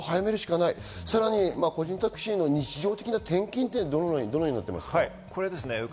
さらに個人タクシーの日常的な点検はどのようになってますか？